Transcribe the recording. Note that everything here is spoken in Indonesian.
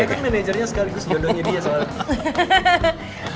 saya kan managernya sekaligus jodohnya dia soalnya